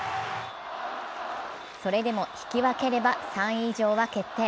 それでも引き分ければ３位以上は決定。